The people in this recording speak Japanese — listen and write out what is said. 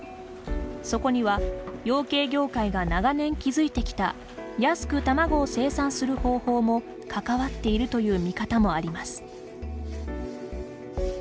そこには、養鶏業界が長年築いてきた安く卵を生産する方法も関わっているという見方もあります。